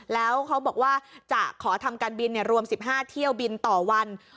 แล้วเขาบอกว่าจะขอทำการบินรวม๑๕เที่ยวบินต่อวัน